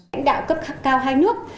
đảng đạo cấp cao hai nước